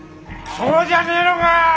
そうじゃねえのか！